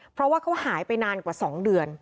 เพราะว่าเขาหายไปนานกว่า๒เดือน